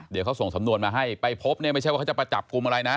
เดี๋ยวเขาส่งสำนวนมาให้ไปพบเนี่ยไม่ใช่ว่าเขาจะมาจับกลุ่มอะไรนะ